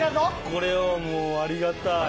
これはもうありがたい。